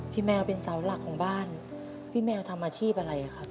แมวเป็นเสาหลักของบ้านพี่แมวทำอาชีพอะไรครับ